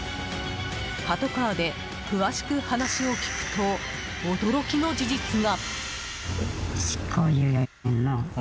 パトカーで詳しく話を聞くと驚きの事実が。